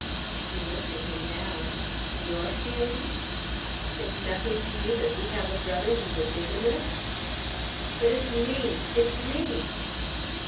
She looked at him now. "Your feeling?" "It's nothing to you that we have a brother who's a bigamist?" "But it's me it's me."